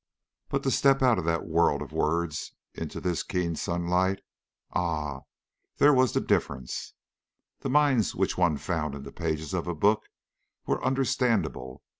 But to step out of that world of words into this keen sunlight ah, there was the difference! The minds which one found in the pages of a book were understandable.